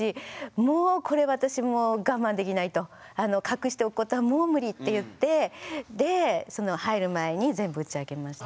もうこれ私もう我慢できないと隠しておくことはもうムリって言ってで入る前に全部打ち明けました。